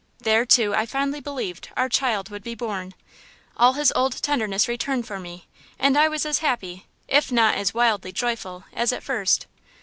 There, too, I fondly believed, our child would be born. All his old tenderness returned for me, and I was as happy, if not as wildly joyful, as at first."